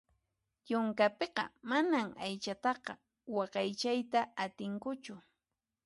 Yunkapiqa manas aychataqa waqaychayta atinkuchu.